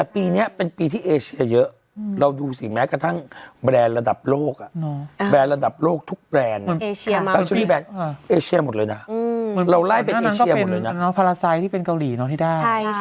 เปิดผนหยุดรัฐกาลใหม่ไปเลยจ้ะ